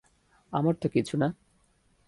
আমার তো কিছু না।